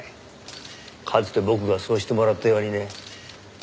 かつて僕がそうしてもらったようにね。